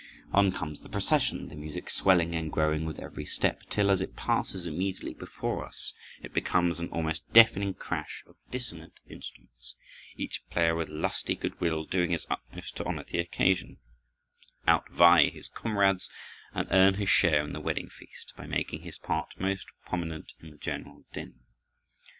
On comes the procession, the music swelling and growing with every step, till as it passes immediately before us it becomes an almost deafening crash of dissonant instruments, each player with lusty good will doing his utmost to honor the occasion, outvie his comrades, and earn his share in the wedding feast, by making his part most prominent in the general din.